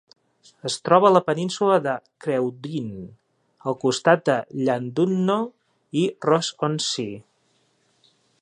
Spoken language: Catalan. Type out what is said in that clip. Es troba a la península de Creuddyn, al costat de Llandudno i Rhos-on-Sea.